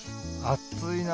あっついな。